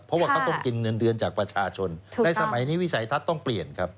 เพราะว่าเขาต้องกินเงินเดือนจากประชาชนในสมัยนี้วิสัยทัศน์ต้องเปลี่ยนครับ